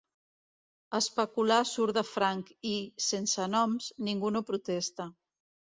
Especular surt de franc i, sense noms, ningú no protesta.